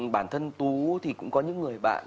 bản thân tú thì cũng có những người bạn